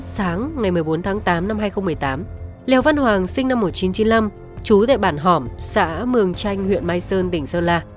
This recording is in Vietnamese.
sáng ngày một mươi bốn tháng tám năm hai nghìn một mươi tám leo văn hoàng sinh năm một nghìn chín trăm chín mươi năm chú tại bản hỏm xã mường chanh huyện mai sơn tỉnh sơn la